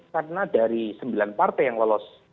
karena dari sembilan partai yang lolos